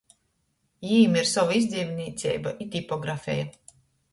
Jim ir sova izdevnīceiba i tipografeja.